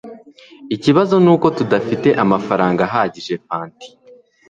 ikibazo nuko tudafite amafaranga ahagije fanty